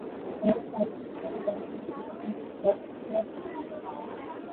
তাদের পারিবারিক বাড়ি ডাবলিনের উপশহর ফক্সরকে।